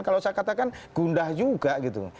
kalau saya katakan gundah juga gitu